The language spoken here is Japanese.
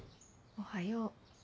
おはよう。